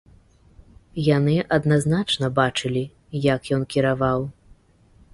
Яны адназначна бачылі, як ён кіраваў.